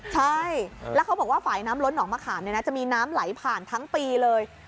ใช่แล้วเขาบอกว่าฝ่ายน้ำล้นหนองมะขามจะมีน้ำไหลผ่านทั้งปีเลย